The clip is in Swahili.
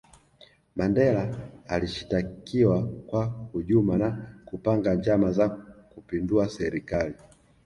mandela alishitakiwa kwa hujuma na kupanga njama za kupindua serikali